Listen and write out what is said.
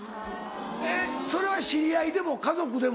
えっそれは知り合いでも家族でも？